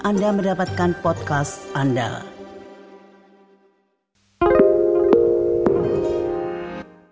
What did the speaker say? anda tidak berbicara dengan buruk tentang orang lain